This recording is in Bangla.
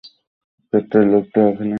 চত্বরের লোকটা ওখানে।